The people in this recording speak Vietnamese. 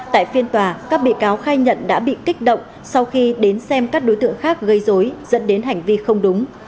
tại phiên tòa các bị cáo khai nhận đã bị kích động sau khi đến xem các đối tượng khác gây dối dẫn đến hành vi không đúng